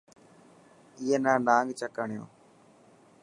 اي نا نانگ چڪ هڻيو.